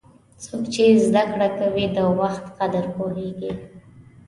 څوک چې زده کړه کوي، د وخت قدر پوهیږي.